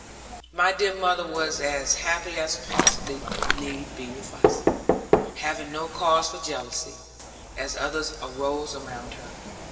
My dear mother was as happy as possibly need be with us; having no cause for jealousy, as others arose around her.